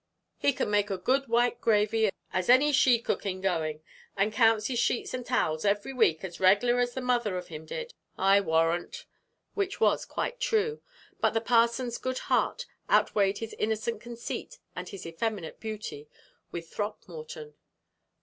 "He can make as good white gravy as any she cook going, and counts his sheets and towels every week as reg'lar as the mother of him did, I warrant," which was quite true. But the parson's good heart outweighed his innocent conceit and his effeminate beauty with Throckmorton.